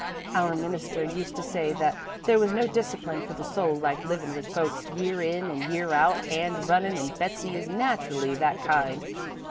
Our minister used to say that there was no discipline for the soul like livin' with folks, year in an' year out hand runnin', an' Betsey is naturally that kind.